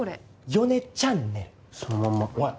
米ちゃんねるそのまんまおい！